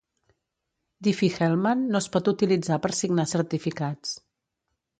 Diffie-Hellman no es pot utilitzar per signar certificats.